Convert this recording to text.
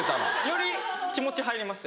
より気持ち入ります